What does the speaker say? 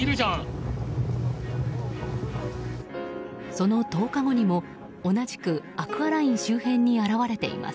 その１０日後にも同じくアクアライン周辺に現れています。